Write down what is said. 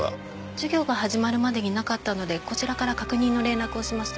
授業が始まるまでになかったのでこちらから確認の連絡をしました。